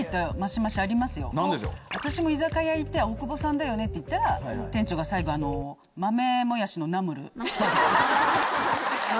私も居酒屋行って「大久保さんだよね？」って言ったら店長が最後豆もやしのナムルサービス。